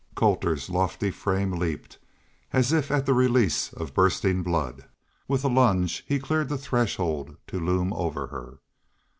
Colter's lofty frame leaped as if at the release of bursting blood. With a lunge he cleared the threshold to loom over her.